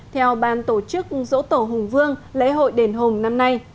theo ban tổ chức dỗ tổ hùng vương lễ hội đền hùng năm nay